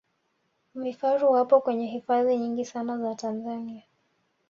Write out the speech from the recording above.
vifaru wapo kwenye hifadhi nyingi sana za tanzania